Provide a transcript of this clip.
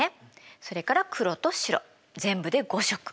それから黒と白全部で５色。